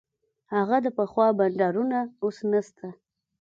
هغه د پخوا بانډارونه اوس نسته.